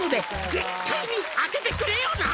「絶対に当ててくれよな」